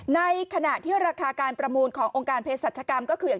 ในขณะที่ราคาการประมูลขององค์การเพศรัชกรรมก็คืออย่าง